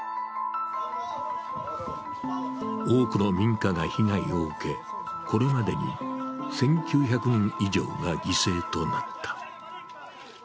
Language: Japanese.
多くの民家が被害を受け、これまでに１９００人以上が犠牲となった。